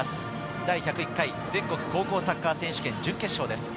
第１０１回全国高校サッカー選手権準決勝です。